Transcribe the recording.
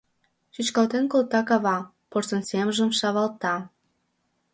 Чӱчкалтен колта кава, Порсын семжым шавалта.